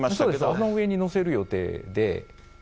あの上に載せる予定で。